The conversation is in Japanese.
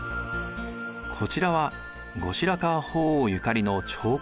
こちらは後白河法皇ゆかりの長講堂。